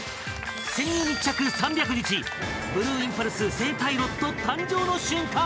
潜入密着３００日ブルーインパルス正パイロット誕生の瞬間。